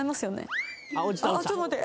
ちょっと待って！